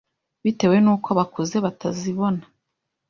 bitewe n’uko bakuze batazibona